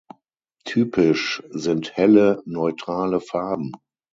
Typisch sind helle, neutrale Farben.